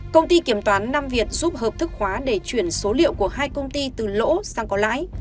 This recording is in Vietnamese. công ty kiểm toán nam việt giúp hợp thức hóa để chuyển số liệu của hai công ty từ lỗ sang có lãi